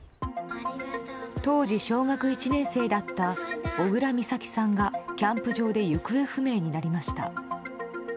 当時小学１年生だった小倉美咲さんがキャンプ場で行方不明になりました。